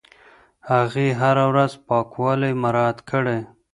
هغې هره ورځ پاکوالی مراعت کړی.